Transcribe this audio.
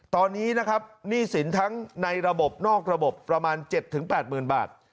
ตอนนี้นะครับหนี้สินทั้งในระบบนอกระบบประมาณ๗๘๐๐๐บาท